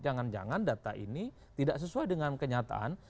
jangan jangan data ini tidak sesuai dengan kenyataan